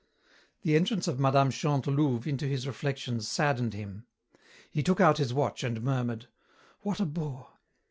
The entrance of Mme. Chantelouve into his reflections saddened him. He took out his watch and murmured, "What a bore.